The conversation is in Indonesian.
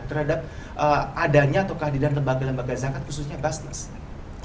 terhadap adanya atau kehadiran lembaga lembaga zakat khususnya basnas